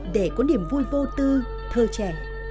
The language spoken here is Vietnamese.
để có niềm vui vô tư thơ trẻ